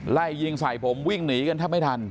ไล่ยิงใส่ผมวิ่งหนีกันแทบไม่ทัน